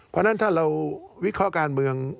เพราะฉะนั้นถ้าเราวิเคราะห์การเมือง